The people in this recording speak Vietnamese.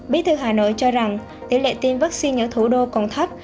bí thư hà nội cho rằng tỷ lệ tiêm vaccine ở thủ đô còn thấp